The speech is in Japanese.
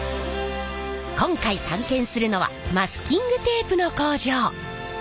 今回探検するのはマスキングテープの工場！